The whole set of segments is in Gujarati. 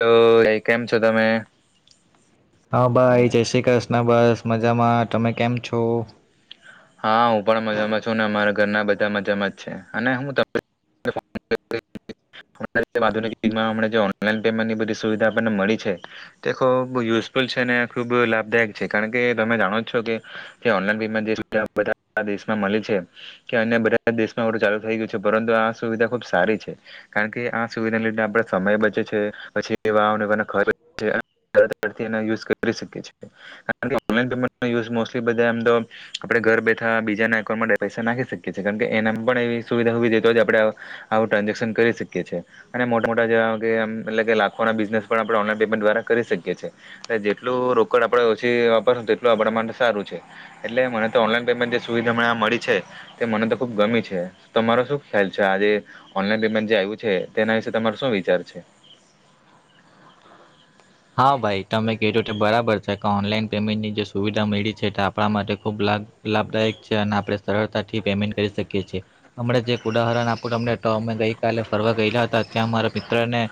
લો એ કેમ છો તમે? હા, ભાઈ જય શ્રી ક્રષ્ન બસ મજામા. તમે કેમ છો? હા ઉ પણ મજામાં છું ને અમારા ઘરના બધા મજામાં જ છે અને હું ત હમણા જે ઓનલાઇન પેમેન્ટની બધી સુવિધા આપણને મળી છે, તે ખુબ યુઝફુલ છે અને ખુબ લાભદાયક છે. કારણ કે તમે જાણો છો કે જે ઓનલાન પેમેન્ટ જે બધા દેશમાં મલે છે કે, અન્ય બધા દેશમાં અવે તો ચાલુ થઈ ગયું છે પરંતુ આ સુવિધા ખુબ સારી છે, કારણ કે આ સુવિધાને લીધે આપણેે સમય બચે છે, પછી જવા આવવા નો ખર્ચ બચે છે. આપણે દર વખતે આનો યુઝ કરી શકીએ કારણ મોસલી બધા એમ તો આપણે ઘર બેઠા બીજાના એકાઉન્ટ માટે પૈસા નાખી શકીએ છીએ એ કારણ કે એનામાં પણ એવી સુવિધા હોવી જોઈતી આપણે આ આવું ટ્રાન્ઝેક્શન કરી શકીએ છીએ અને મોટા-મોટા જેમ એટલે લાખોના બિઝનેસ પણ આપણે ઓનલાઈન પેમેન્ટ દ્વારા કરી શકીએ છીએ, એ જેટલું રોકડ આપણે ઓછી વાપરહું તેટલું આપણા માટે સારું છે. એટલે મને તો ઓનલાઈન પેમેન્ટ જે સુવિધા અમણાં મળી છે તે મને તો ખુબ ગમી છે. તમારો શું ખ્યાલ? આજે ઓનલાઈન પેમેન્ટ જે આયવુ છે તેના વિશે તમારો શું વિચાર છે? હા! ભાઈ તમે કીધું તે બરાબર છે કે ઓનલાઈન પેમેન્ટની જે સુવિધા મયળી છે તે આપણા માટે ખૂબ લાભ લાભદાયક છે અને આપણે સરળતાથી પેમેન્ટ કરી શકીએ છીએ. અમણાં જે એક ઉદાહરણ આપું તમને તો અમે ગઈકાલે ફરવા ગયલા હતા ત્યાં મારા મિત્રને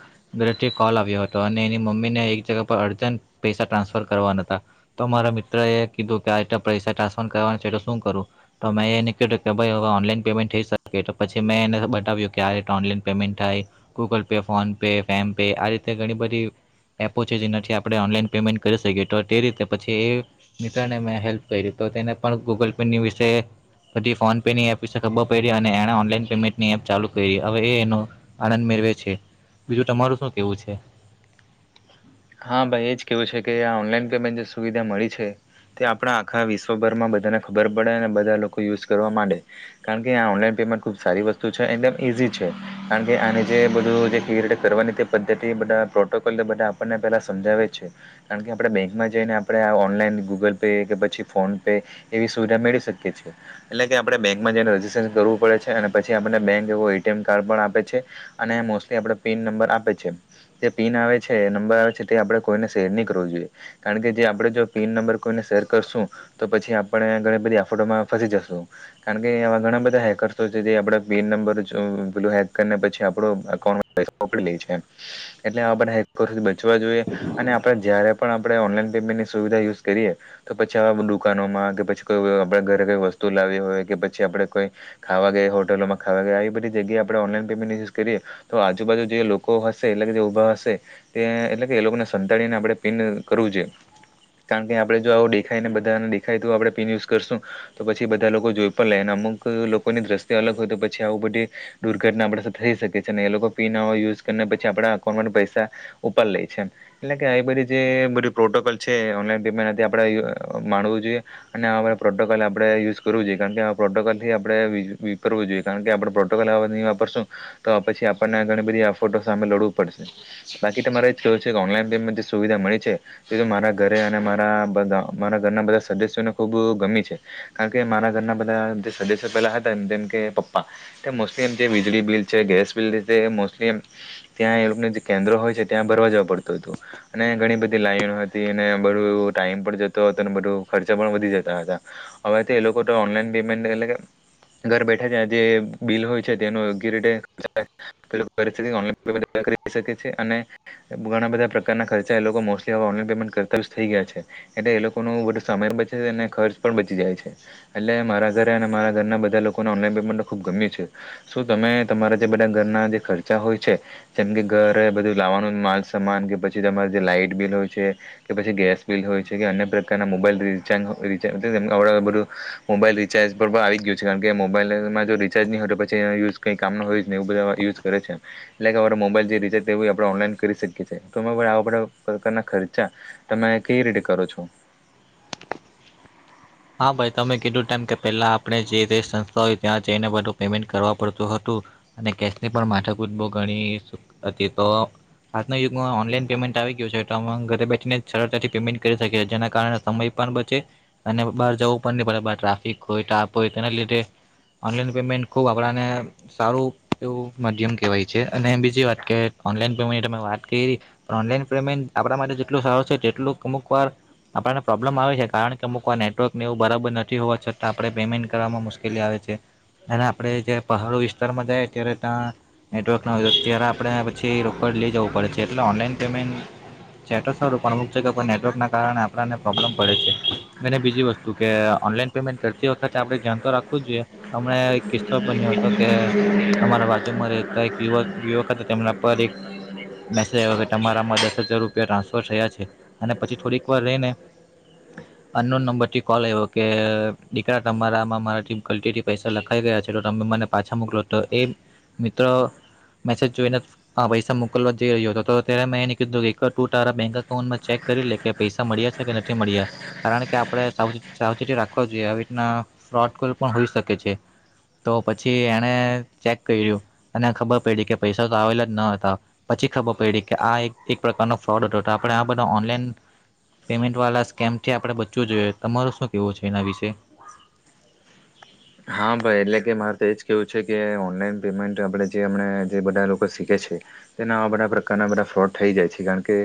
ઘરેથી કોલ આવ્યો હતો અને એની મમ્મી ત્યાં એક જણ પર અરજંત પૈસા ટ્રાન્સફર કરવાના હતા તો મારા મિત્ર એ કીધું કે આ રીતે પૈસા ટ્રાન્સફર કરવાના છે તો શું કરું? તો મેં એને કીધું કે ભાઇ અવે પેમેન્ટ થઈ શકે તો પછી મેં એને બતાવ્યું કે આ રીતે ઓનલાઈન પેમેન્ટ થાય ગૂગલ પે, ફોન પે, પેમ પે આ રીતે ઘણી બધી એપો છે જેનાથી આપણે ઓનલાઈન પેમેન્ટ કરી શકીએ તો તે રીતે પછી એ મિત્રને મેં હેલ્પ કઈરી તો તેને પણ ગૂગલ પે ની વિશે, પછી ફોન પે ની એપ વિશે ખબર પયડી અને એણે ઓનલાઈન પેમેન્ટની એપ ચાલુ કયરી અવે એ એનો આનંદ મેળવે છે. બીજું તમારું શું કેવું છે? હા! ભાઈ એ જ કેવું છે કે આ ઓનલાઈન પેમેન્ટ જે સુવિધા મળી છે, તે આપણા આખા વિશ્વભરમાં બધાને ખબર પડે અને બધા લોકો યુઝ કરવા માંડે. કારણ કે આ ઓનલાઈન પેમેન્ટ ખૂબ સારી વસ્તુ છે, એકદમ ઈઝી છે, કારણ કે આની જે બધું જે ક્લિયર કરવાની તે પદ્ધતિ બધા પ્રોટોકોલ બધા મને પેલા સમજાવે છે, કારણ કે આપણે બેંકમાં જઈને આપણે આ ઓનલાઈન ગૂગલ પે કે પછી ફોન પે એવી સુવિધા મેળવી શકીએ છીએ. એટલે કે આપણે બેંકમાં જઈને રજિસ્ટ્રેશન કરવું પડે છે અને પછી આપને બેંક એવો એટીએમ કાર્ડ પણ આપે છે. અને મોસ્ટલી આપણે પિન નંબર આપે છે જે પિન આવે છે એ નં બર આવે છે તે આપણે કોઈ ને શેર ની કરવો જોઈએ. કારણ કે, જે આપણે જો પીન નંબર કોઈને શેર કરશું તો પછી આપણે ઘણી બધી આફટોમાં ફસી જશું. કારણ કે આવા ઘણા બધા હેકરશો છે જે આપણા પીન નંબર પેલું હેક કરીને પછી આપણું અકાઉંટ પકડી લે છે એટલે આપણે પવા જોઈએ અને આપણેે જયારે પણ આપણે ઓનલાઈન પેમેન્ટની સુવિધા યુઝ કરીએ, તો પછી દુકાનોમાં, કે પછી કોઈ આપ ઘરેઈ વસ્તુ લાવી હોય, કે પછી આપડે કોઈ ખાવા ગઈ હોટલોમાં ખાવા ગયા, આવી બધી જગ્યા આપણે ઓનલાઈન પેમેન્ટ યુઝ કરીએ તો આજુબાજુ જે લોકો હશે એટલે કે જે ઊભા હશે એટલે કે એ લોકોને સંતાડીીને આપણે પીન કરવું જોઈએ કારણ કે આપડણે જો આવું દેખાયને બધાને દેખાય તો આપણે પીન યુઝ કરશું તો પછી બધા લોકો જોઈ પણ લેને અમુક લોકોની દ્રષ્ટિ અલગ હોય તો પછી આવ બધી દુર્ઘટના આપ સાથે થઈ શકે છે ને એ લોકો પીન યુઝ કરીને પછી આપણા અકાઉન્ટમાં પૈસા ઉપર લેય છે, એટલે કે આવી બધી જે બધી પ્રોટોકોલ છે એ ઓનલાઈન પેમેન્ટથી આપણે માણવું જોઈએ. અને આવા બધા પ્રોટોકોલ આપણે યુઝ કરવું જોઈએ. કારણ કે, આ પ્રોટોકોલથી આપણે વિતરવું જોઈએ કારણ કે, આપણે પ્રોટોકોલ આવા નહીં વાપરશું તો પછી આપણને ઘણી બધી આફટો સામે લડવું પડશે. બાકી તમારે જ કહેવું છે કે, ઓનલાઈન પેમેન્ટ જે સુવિધા મળી છે તે તો મારા ઘરે અને મારા બધા મારા ઘરના બધા સદસ્યોને ખૂબ ગમી છે કારણ કે મારા ઘરના બધા જે સદસ્યો પહેલા હતા એમ જેમ કે, પપ્પા તે મોસ્ટલી એમ જે વીજળી બિલ છે, ગેસ બિલ તે મોસ્ટલી એમ ત્યાં એ લોકોને જે કેન્દ્રો હોય ત્યાં ભરવા જવા પડતું હતું. અને ઘણી બધી લાઈન હતી, અને બધું એવો ટાઈમ પણ જતો હતો, અને બધો ખર્ચા પણ વધી જતા હતા. હવે તો એ લોકો તો ઓનલાઈન પેમેન્ટ એટલે ઘર બેઠા છે જે બિલ હોય છે તેનો યોગ્ય રીતે ઓનલાઈન પેમેન્ટ કરી શકે છે. ઘણા બધા પ્રકારના ખર્ચા એ લોકો મોસ્ટલી ઓનલાઈન પેમેન્ટ કરતા થઈ ગયા છે. એટલે એ લોકો નું બધુ સમય બચે છે અને ખર્ચ પણ બચી જાય છે. એટલે મારા ઘરે અને મારા ઘરના બધા લોકોને ઓનલાઈન પેમેન્ટ ખુબ ગમ્યું છે. શું તમે તમારા જે બધા ઘરના જે ખર્ચા હોય છે જેમ કે ઘર બધું લાવવાનું માલ સમાન, કે પછી તમારે જે લાઈટ બિલ હોય છે, કે પછી ગેસ બિલ હોય છે, કે અન્ય પ્રકારના મોબાઈલ રચારજ રિચાર્જું બધું મોબાઈલ રિચાર્જ પર આવી ગયું છે. કારણ કે મોબાઈલમાં જો રિચાર્જ ની હોય તો પછી એ યુઝ કંઈ કામ ન હોય જ ની એવુ બધા યુઝ કરે છે. એટલે કે અરો મોબાઈલ જે રિચાર્જ એવ આપણે ઓનલાઈન કરી શકીએ છીએ. તમે આવા બધા પ્રકારના ખર્ચા તમે કઈ રીતે કરો છો? હા! ભાઈ તમે કીધું તેમ કે પહેલાં આપણે જે રે સંસ્થાઓય ત્યાં જઈને બધું પેમેન્ટ કરવા પડતું હતું. અને કેશની પણ માઠાકૂટ બઉ ઘણી હતી તો આજના યુગમાં ઓનલાઈન પેમેન્ટ આવી ગયું છે, તો અમે ઘરે બેઠીને સરળતાથી પેમેન્ટ કરી શકીએ જેના કારણે સમય પણ બચે અને બહાર જવું પણ ની પડે, બહાર ટ્રાફિક હોય, તાપ હોય, તેના લીધે ઓનલાઈન પેમેન્ટ ખૂબ આપણાને સારું એવું માધ્યમ કહેવાય છે, અને બીજી વાત કે ઓનલાઈન પેમેન્ટની તમે વાત કયરી પણ ઓનલાઈન પેમેન્ટ આપણા માટે જેટલું સારું છે તેટલું અમુકવાર આપણને પ્રોબ્લેમ આવે છે. કારણ કે અમુકવાર નેટવર્ક ને એવું બરાબર નથી હોવા છતાં આપણે પેમેન્ટ કરવામાં મુશ્કેલી આવે છે અને આપણે જ્યારે પહાડો વિસ્તારમાં જાયે ત્યારે ત્યાં નેટવર્ક ન હોય ત્યારે આપણે પછી રોકડ લઈ જવું પડે છે. એટલે ઓનલાઈન પેમેન્ટ છે તો સારું, પણ અમુક જગ્યા પર નેટવર્કના કારણે આપણાને પ્રોબ્લેમ પડે છે અને બીજી વસ્તુ કે ઓનલાઈન પેમેન્ટ કરતી વખતે આપણે ધ્યાન તો રાખવું જ જોઈએ. હમણાં એક કિસ્સો બન્યો હતો કે, અમારા બાજુમાં રહેતા એક યુવક તેમના પર એક મેસે આવ્યો તમારામાં દસ હજાર રૂપિયા ટ્રાન્સફર થયા છે, અને પછી થોડીક વાર રઈને અનનોન નંબરથી કોલ આયવો કે દીકરા તમારામાં મારાથી ગલટી થી પૈસા લખાઈ ગયા છે, તો તમે મને પાછા મોકલો. તો એ મિત્રો મેસેજ જોઈને પૈસા મોકલવા જઈ રહ્યો હતો, તો ત્યારે મેં એ કીધું કે એક તુ તારા બેંક એકાઉન્ટમાં ચેક કરી લે કે પૈસા મળ્યા છે કે નથી મળ્યા કારણ કે, આપણે સાવ સાવચેતી રાખવા જોઈએ આવી રીતના ફ્રોડ કોલ પણ હોઈ શકે છે. તો પછી એણે ચેક કયરુ અને ખબર પડી કે પૈસા તો આવેલા જ ન હતા પછી ખબર પડી કે આ એક એક પ્રકારનો ફ્રોડ હતો. તો આપણે આ બધા ઓનલાઈન પેમેન્ટવાળા સ્કેમથી આપણે બચવું જોઈએ. તમારુ શું કેવુ છે એના વિશે? હા! ભાઈ એટલે કે મારે તો એ જ કહેવું છે કે, ઓનલાઈન પેમેન્ટ આપણે જે હમણાં જે બધા લોકો શીખે છે તેના આવા બધા પ્રકારના બધા ફ્રોડ થઈ જાય છે, કારણ કે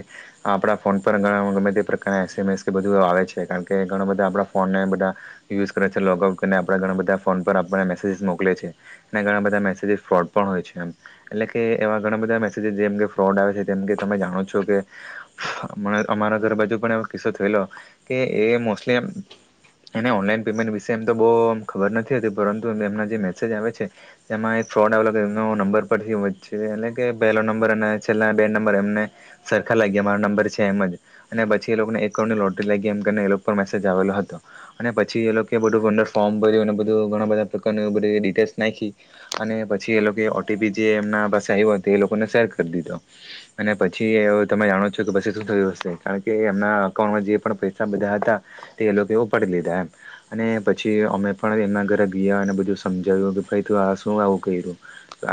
આપણા ફોન પર ઘણા ગમે તે પ્રકારના એસએમએસ કે બધું આવે છે કારણ કે ઘણા બધા આપણા ફોનને બધા યુઝ કરે છે, લોગ આઉટ કરીને આપણા ઘણા બધા ફોન પર આપણને મેસેજીસ મોકલે છે, અને ઘણા બધા મેસેજીસ ફ્રોડ પણ હોય છે, એમ એટલે કે એવા ઘણા બધા મેસેજીસ જેમ કે ફ્રોડ આવે છે. તેમ કે તમે જાણો છો કે અમારા ઘર બાજુ પણ એવો કિસ્સો થયેલો કે એ મોસ્ટલી એમ એને ઓનલાઈન પેમેન્ટ વિશે એમ તો બો ખબર નથી પરંતુ એમના જે મેસેજ આવે છે તેમાં એક ફ્રોડ આવેલો એ નંબર પરથી એટલે કે પહેલો નંબર અને છેલ્લા બે નંબર એમને સરખા લાગ્યા મારો નંબર છે એમ જ. અને પછી એ લોકોને એકાઉન્ટની લોટરી લાગી એમને એ મેસેજ આવેલો હતો અને પછી એ લોકો બધું અંદર ફોર્મ ભર્યું અને બધુ બધુ ઘણા બધા પ્રકારની બધી ડિટેલ્સ નાયખી અને પછી એ લોકોએ ઓટીપી જે એમના પાસે આવ્યો તે એ લોકોને શેર કરી દીધો. અને પછી તમે જાણો છો કે પછી શું થયું હશે કારણ કે, એમના અકાઉન્ટમાં જે પણ પૈસા બધા હતા તે એલોકો એ ઉપાડી લીધા એમ અને પછી અમે પણ એમના ઘરે ગીયા અને બધું સમજાવ્યું કે ભાઈ તું આ શું આવું કર્યું,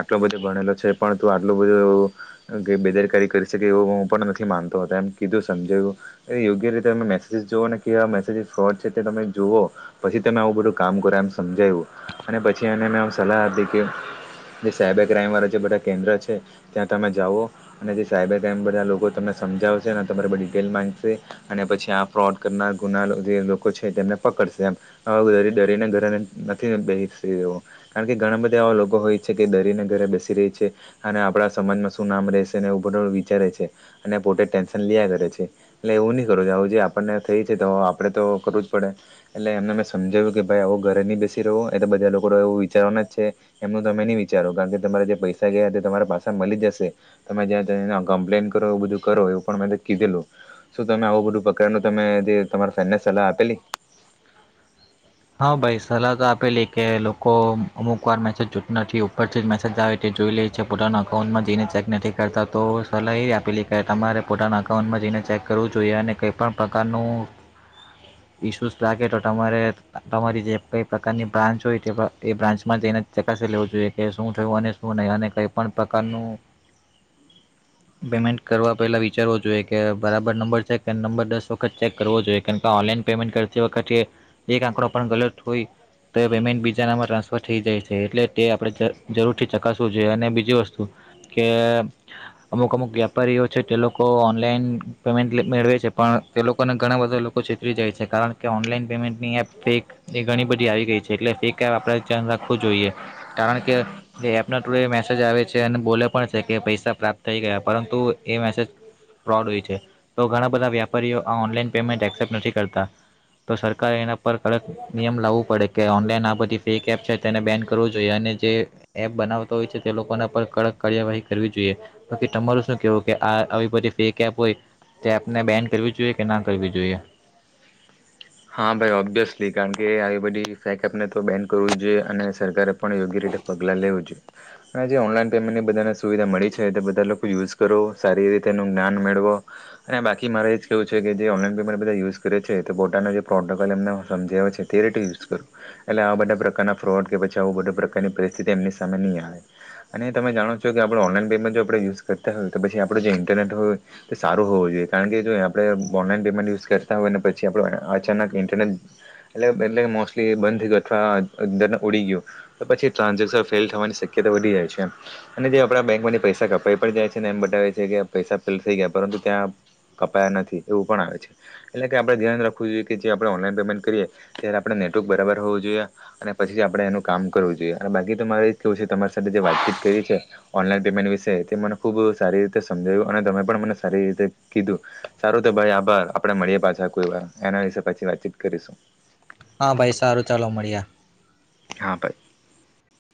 આટલો બધો ભણેલો છે પણ તું આટલું બધું એ કે બેદરકારી કરી શકે એવો હું પણ નથી માનતો. તો એમ કીધું સમજાવ્યું એ યોગ્ય રીતે તમે મેસેજીસ જોઓ ને કે આ મેસેજીસ ફ્રોડ છે તે તમે જુઓ પછી તમે આવું બધું કામ કર એમ સમજાયવું. અને પછી એને મેં એમ સલાહ આપી કે, જે સાયબર ક્રાઈમ વાળા જે બધા કેન્દ્ર છે, ત્યાં તમે જાઓ અને જે સાયબર ક્રાઈમ બધા લોકો તમને સમજાવશે, અને તમારે બધી ડિટેલ માંગશે અને પછી આ ફ્રોડ કરનાર ગુના જે લોકો છે તેમને પકડશે એમ આવા બ દરીને ઘરે નથી એમ બેસી રેવો કારણ કે, ઘણા બધા એવા લોકો હોય છે કે દરીને ઘરે બેસી રેય છે અને આપણા સમાજમાં શું નામ રહેશે ને એવું બધુ વિચારે છે અને પોતે ટેન્શન લીયા કરે છે. એટલે એવું ની કરવુ જોઈએ આવું જે આપણને થઈ છે તો આપણે તો કરવું જ પડે એટલે એમને મેં સમજાવ્યું કે ભાઈ આવો ઘરે ની બેસી રેવો, એ તો બધા લોકો એવું વિચારવાના જ છે એમનું તમે ની વિચારો કારણ કે, તમારે જે પૈસા ગયા તે તમારા પાસા મલી જશે તમે જ્યાંને કમ્પ્લેન કરો એવું બધું કરો એવું પણ મેં કીધેલું શું તમે આવું બધું પ્રકારનું તમે જે તમારા ફ્રેન્ડને સલાહ આપેલી? હા ભાઈ! સલાહ તો આપેલી કે લોકો અમુકવાર મેસેજ જૂ નથી ઉપરથી જ મેસેજ આવે તે જોઈ લેય છે પોતાના અકાઉન્ટમાં જઈને ચેક નથી કરતા. તો સલાહ એ આપેલી કે તમારે પોતાના અકાઉન્ટમાં જઈને ચેક કરવું જોઈએ અને કંઈ પણ પ્રકારનું મિસ યુઝ લાગે તો તમારે તમારી જે કઈ પ્રકારની બ્રાન્ચ હોય એ બ્રાન્ચમાં જઇને ચકાસી લેવુ જોઈએ કે શું થયું અને શું નઈ અને કઈ પણ પ્રકારનું પેમેન્ટ કરવા પહેલા વિચારવુ જોઈએ કે, બરાબર નંબર છે નંબર દસ વખત ચેક કરવો જોઈએ. કેમકે ઓન લાઇન પેન્ટ કરતી વખતે એક આંકડો પણ ગલત હોય તો પેમેન્ટ બીજાનામાં ટ્રાન્સફર થઈ જાય છે એટલે તે આપણે જરૂરથી ચકાસવું જોઈએ અને બીજી વસ્તુ કે અમુક અમુક વ્યાપારીઓ છે તે લોકો ઓનલાઈન પેમેન્ટ મેળવે છે પણ તે લોકોને ઘણા બધા લોકો ચતરી જાય છે કારણ કે, ઓનલાઈન પેમેન્ટની એપ ફેક એ ઘણી બધી આવી ગઈ છે, એટલે ફેક એપ આપણે ધ્યાન રાખવું જોઈએ. કારણ કે જે એપના થ્રુ એ મેસેજ આવે છે અને બોલે પણ છે કે પૈસા પ્રાપ્ત થઈ ગયા પરંતુ એ મેસેજ ફ્રોડ હોય છે. તો ઘણા બધા વ્યાપારીઓ આ ઓનલાઈન પેમેન્ટ એક્સેપ્ટ નથી કરતા. તો સરકારે એના પર કડક નિયમ લાવવું પડે કે, ઓનલાઈન આ બધી ફેક એપ છે તેને બેન કરું જોઈએ અને જે એપ બનાવતો હોય છે તે લોકોના પર કડક કાર્યવાહી કરવી જોઈએ. તમારું શું કેવું કે આ આવી બધી ફેક એપ હોય એપને બેન કરવી જોઈએ કે ના કરવી જોઈએ? હા ભાઈ ઓબ્વિયસલી કારણ કે આવી બધી ફેકઅપને તો બેન કરવું જ જોઈએ અને સરકારે પણ યોગ્ય રીતે પગલાં લેવું જોઈએ અને જે ઓનલાઈન પેમેન્ટની બધાને સુવિધા મળી છે તે બધા લોકો યુઝ કરો સારી રીતે એનું જ્ઞાન મેળવો અને બાકી મારે એ જ કેહેવું છે કે જે ઓનલાઈન પેમેન્ટ બધા યુઝ કરે છે તો પોતાનો જે પ્રોટોકોલ એમને સમજાવ છે તે રીતે યુઝ કરવું એટલે આવા બધા પ્રકારના ફ્રોડ કે પછી આવું બધા પ્રકારની પરિસ્થિતિ એમની સામે નહીં આવે અને તમે જાણો છો કે આપણ ઓનલાઈન પેમેન્ટ જો આપણે યુઝ કરતા હોય તો પછી આપણું જે ઇન્ટરનેટ હોય તે સારું હોવું જોઈએ કારણ કે જો આપણે ઓનલાઈન પેમેન્ટ યુઝ કરતા હોય ને પછી આપણે અચાનક ઇન્ટરનેટ એટલે એટલે કે મોસ્ટલી બંધ થઈ ગયું અથવા અંદરને ઉડી ગયું તો પછી ટ્રાન્ઝેક્શન ફેલ થવાની શક્યતા વધી જાય છે એમ અને જે આપણા બેંકમાંથી પૈસા કપાઈ પણ જાય છે ને એમ બતાવે છે કે પૈસા ફેલ થઈ ગયા પરંતુ ત્યાં કપાયા નથી એવું પણ આવે છે એટલે કે આપણે ધ્યાન રાખવું જોઈએ કે જે આપણે ઓનલાઈન પેમેન્ટ કરીએ ત્યારે આપણે નેટવર્ક બરાબર હોવું જોઈએ અને પછી આપણે એનું કામ કરવું જોઈએ અને બાકી તો મારે કેું તમારી સાથે જે વાતચીત કરી છે ઓનલાઈન પેમેન્ટ વિશે તે મને ખૂબ સારી રીતે સમજાવ્યું અને તમે પણ મને સારી રીતે કીધું સારું તો ભાઈ આભાર આપણે મળીએ પાછા કોઈ વા એના વિશે પછી વાચીિત કરીશું. હા ભાઈ સારું ચાલો મળીએ. હ ભાઈ.